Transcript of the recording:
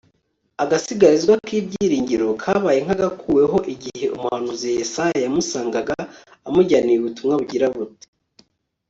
agasigarizwa k'ibyiringiro kabaye nk'agakuweho igihe umuhanuzi yesaya yamusangaga amujyaniye ubutumwa bugira buti